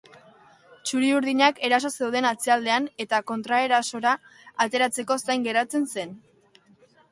Txuri-urdinak eraso zeuden atzealdean eta kontraersora ateratzeko zain geratzen zen.